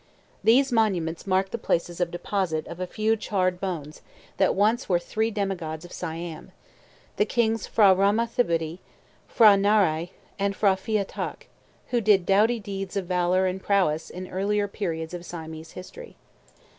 These monuments mark the places of deposit of a few charred bones that once were three demigods of Siam, the kings P'hra Rama Thibodi, P'hra Narai, and P'hra Phya Tak, who did doughty deeds of valor and prowess in earlier periods of Siamese history.